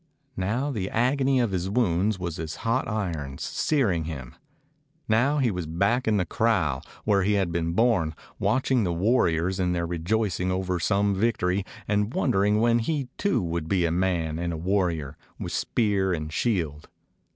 Now the agony of his wounds was as hot irons, searing him. Now he was back in the kraal, where he had been born, watching the warriors in their rejoicing over some vic tory and wondering when he too would be a man and a warrior, with spear and shield.